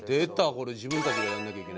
これ自分たちがやらなきゃいけないやつ。